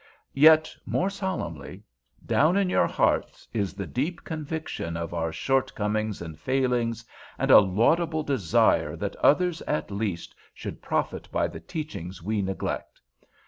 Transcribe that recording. Yet"—more solemnly—"down in your hearts is the deep conviction of our short comings and failings, and a laudable desire that others at least should profit by the teachings we neglect.